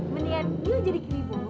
mendingan yu jadi keribu